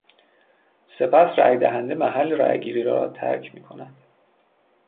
سپس رای دهنده محل رای گیری را ترک میکند.